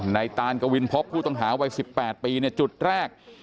ตานกวินพบผู้ต้องหาวัย๑๘ปีจุดแรก